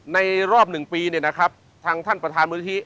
ในรอบ๑ปีท่านประธานมือทิศ